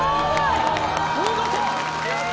見事！